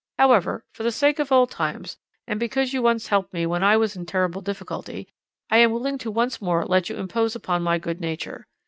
However, for the sake of old times, and because you once helped me when I was in a terrible difficulty, I am willing to once more let you impose upon my good nature.